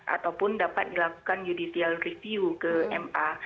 ataupun dapat dilakukan judisiarisiu ke ma